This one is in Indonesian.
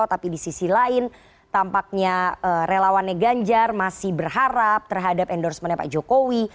tapi di sisi lain tampaknya relawannya ganjar masih berharap terhadap endorsementnya pak jokowi